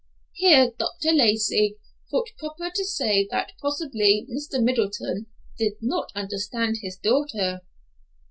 Here Dr. Lacey thought proper to say that possibly Mr. Middleton did not understand his daughter.